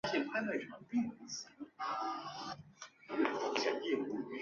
官币小社支付币帛乃至币帛料的神社。